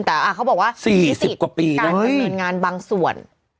แต่อ่าเค้าบอกว่าศิษย์การกำเนินงานบางส่วน